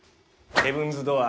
ヘブンズ・ドアー。